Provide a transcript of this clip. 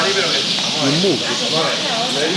Yemmug.